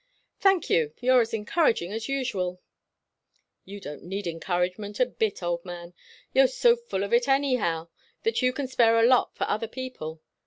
"Thank you. You're as encouraging as usual." "You don't need encouragement a bit, old man. You're so full of it anyhow, that you can spare a lot for other people.